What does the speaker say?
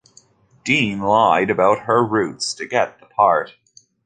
Dean lied about her roots to get the part.